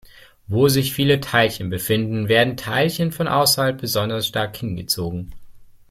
Wo sich viele Teilchen befinden, werden Teilchen von außerhalb besonders stark hingezogen.